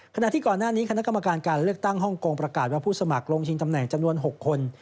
ขณะที่ก่อนหน้านี้คณะกรรมการการเลือกตั้งฮ่องกงประกาศว่าผู้สมัครลงชิงตำแหน่งจำนวน๖คน